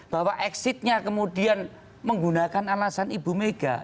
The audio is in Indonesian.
bahwa exitnya kemudian menggunakan alasan ibu mega